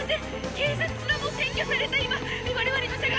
「警察すらも占拠された今我々の社会」